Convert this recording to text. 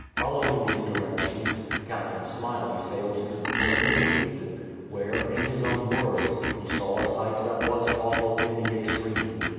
Following these directions, Captain Smyley sailed to the place indicated, where, in his own words, he saw a sight that was "awful in the 252 VISIT OF THE "DIDO" extreme.'